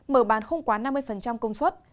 mở bán không quá năm mươi công suất